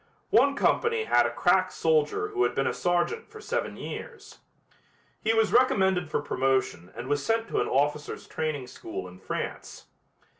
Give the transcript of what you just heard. One company had a crack soldier who had been a sergeant for seven years. He was recommended for promotion and was sent to an officers' training school in France.